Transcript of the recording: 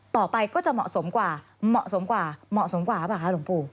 ต่อไปก็จะเหมาะสมกว่าเหมาะสมกว่าเหมาะสมกว่าหรือเปล่าคะหลวงปู่